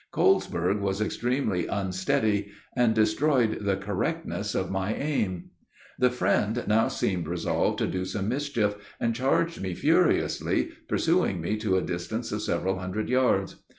Colesberg was extremely unsteady, and destroyed the correctness of my aim. [Illustration: CHARGE OF THE ELEPHANTS.] The friend now seemed resolved to do some mischief, and charged me furiously, pursuing me to a distance of several hundred yards.